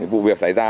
vụ việc xảy ra